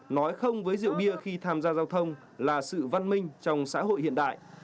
nói không với rượu bia khi tham gia giao thông là sự văn minh trong xã hội hiện đại